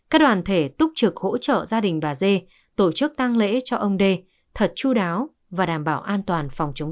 các đoàn thể túc trực hỗ trợ gia đình bà dê tổ chức tăng lễ cho ông dê thật chú đáo và đảm bảo